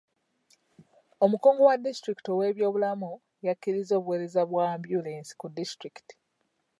Omukungu wa disitulikiti ow'ebyobulamu y'akkiriza obuweereza bw'ambyulensi ku disitulikiti.